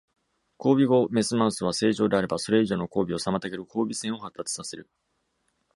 交尾後、雌マウスは正常であれば、それ以上の交尾を妨げる交尾栓を発達させる。